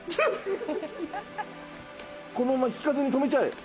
このまま引かずに止めちゃえ。